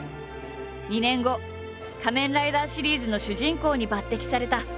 ２年後「仮面ライダー」シリーズの主人公に抜てきされた。